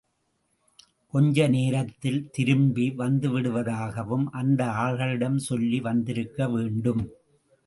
கொஞ்ச நேரத்தில் திரும்பி வந்துவிடுவதாகவும் அந்த ஆள்களிடம் சொல்லி வந்திருக்க வேண்டும்.